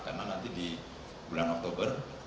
karena nanti di bulan oktober